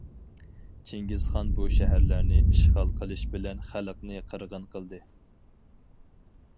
چىڭگىزخان بۇ شەھەرلەرنى ئىشغال قىلىش بىلەن خەلقنى قىرغىن قىلدى.